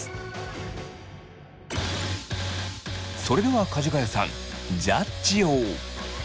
それではかじがやさんジャッジを！